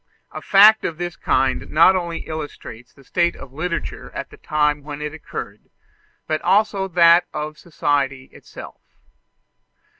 A fact of this kind not only illustrates the state of literature at the time when it occurred, but also that of society itself.